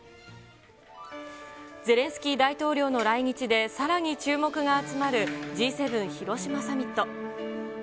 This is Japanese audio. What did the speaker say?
ゼレンスキー大統領の来日でさらに注目が集まるＧ７広島サミット。